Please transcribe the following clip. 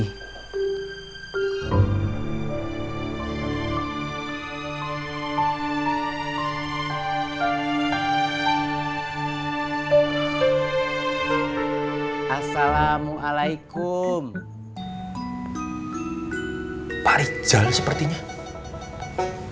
keseluruhan malam tiga malam berikutnya memang kita tragedi atau